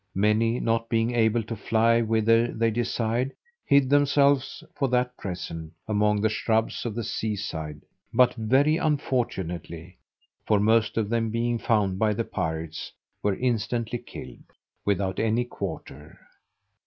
Many, not being able to fly whither they desired, hid themselves, for that present, among the shrubs of the sea side, but very unfortunately; for most of them being found by the pirates, were instantly killed, without any quarter.